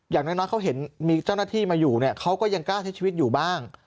อย่างน้อยเขาเห็นมีเจ้าหน้าที่มาอยู่เนี่ยเขาก็ยังกล้าใช้ชีวิตอยู่บ้าง